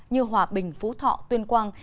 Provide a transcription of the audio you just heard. như hòa bình phú thọ tuyên quang